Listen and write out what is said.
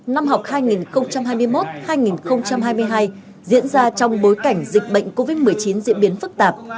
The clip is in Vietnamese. năm học hai nghìn hai mươi một hai nghìn hai mươi hai diễn ra trong bối cảnh dịch bệnh covid một mươi chín diễn biến phức tạp